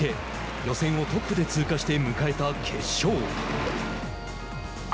予選をトップで通過して迎えた決勝。